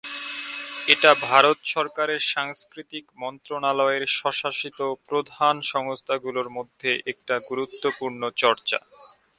এটা ভারত সরকারের সাংস্কৃতিক মন্ত্রণালয়ের স্বশাসিত প্রধান সংস্থাগুলোর মধ্যে একটার গুরুত্বপূর্ণ চর্চা।